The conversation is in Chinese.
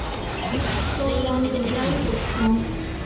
目前饼干组成。